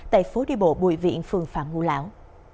tại phố đi bộ bùi viện phường phạm ngũ lão